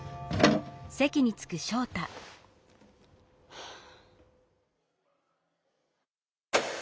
はあ。